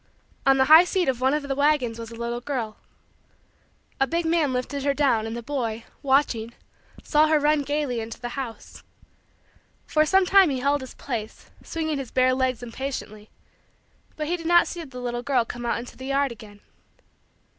On the high seat of one of the wagons was the little girl. A big man lifted her down and the boy, watching, saw her run gaily into the house. For some time he held his place, swinging his bare legs impatiently, but he did not see the little girl come out into the yard again.